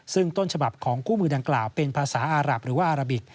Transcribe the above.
ซึ่งต้นฉบับของคู่มือดังกล่าวเป็นภาษาอารับหรือว่าอาราบิก